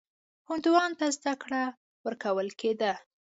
هندوانو ته زده کړه ورکول کېده.